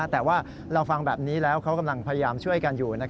แต่ว่าเราฟังแบบนี้แล้วเขากำลังพยายามช่วยกันอยู่